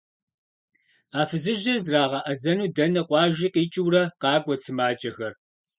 А фызыжьыр зрагъэӏэзэну дэнэ къуажи къикӏыурэ къакӏуэт сымаджэхэр.